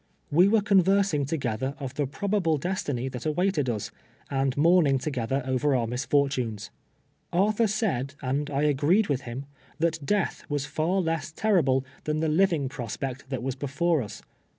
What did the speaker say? We were conversing together of the probable destiny that awaited us, and mourning together over our misfortunes. Arthur said, and I agreed with him, that death was far less terrible than, the living prosj)ect that was before us.